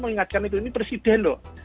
mengingatkan itu ini presiden loh